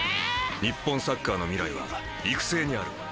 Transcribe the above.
日本サッカーの未来は育成にある。